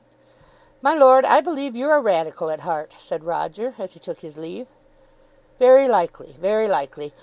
"My Lord, I believe you're a Radical at heart," said Roger, as he took his leave. "Very likely, very likely.